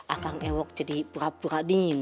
akang ewok jadi pura pura dingin